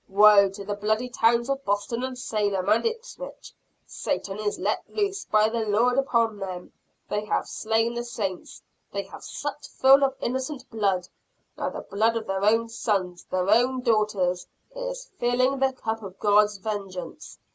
Woe to the bloody towns of Boston and Salem and Ipswich! Satan is let loose by the Lord upon them! They have slain the saints, they have supped full of innocent blood; now the blood of their own sons, their own daughters, is filling the cup of God's vengeance!